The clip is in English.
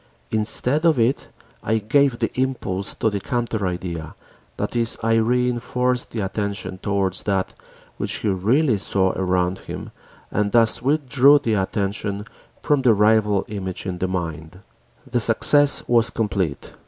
Instead of it I gave the impulse to the counter idea, that is, I reënforced the attention towards that which he really saw around him and thus withdrew the attention from the rival image in the mind. The success was complete.